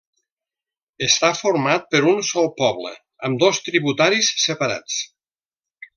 Està format per un sol poble amb dos tributaris separats.